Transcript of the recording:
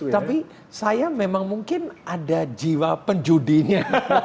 tapi saya memang mungkin ada jiwa penjudinya